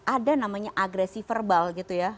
ada namanya agresi verbal gitu ya